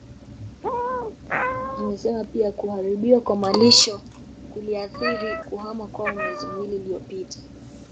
Amesema pia kuharibiwa kwa malisho kuliathiri kuhama kwao miezi miwili iliyopita